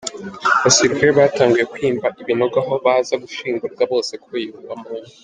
Abasirikare batanguye kwimba ibinogo aho baza gushingurwa bose kuri uyu wa Mungu.